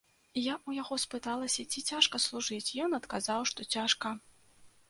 Я ў яго спыталася, ці цяжка служыць, ён адказаў, што цяжка.